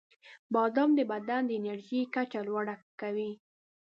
• بادام د بدن د انرژۍ کچه لوړه کوي.